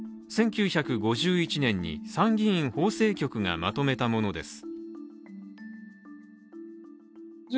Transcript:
１９５１年に、参議院法制局がまとめたものです。